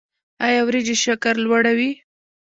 ایا وریجې شکر لوړوي؟